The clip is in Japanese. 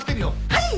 はい！